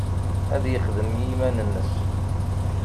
Ad yexdem i yiman-nnes.